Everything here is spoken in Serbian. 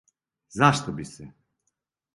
Зашто бих се?